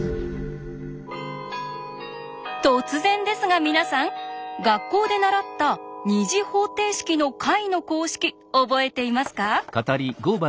突然ですが皆さん学校で習った２次方程式の解の公式おぼえていますか？